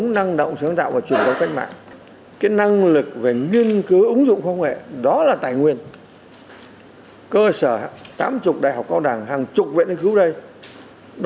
năng động sáng tạo là không bó tay trước khó khăn